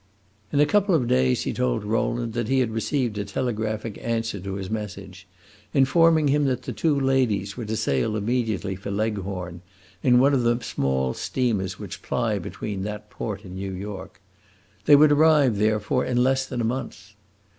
In a couple of days he told Rowland that he had received a telegraphic answer to his message, informing him that the two ladies were to sail immediately for Leghorn, in one of the small steamers which ply between that port and New York. They would arrive, therefore, in less than a month.